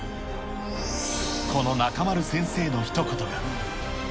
この中丸先生のひと言が。